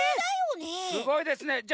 すごいですね。